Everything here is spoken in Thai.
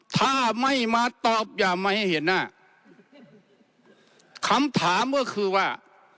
ถ้าไม่มาตอบอย่าไม่ให้เห็นหน้าคำถามก็คือว่า